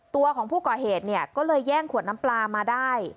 ตัวของผู้ก่อเหตุเนี่ยก็เลยแย่งขวดน้ำปลามาได้